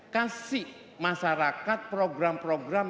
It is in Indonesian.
kasih masyarakat program program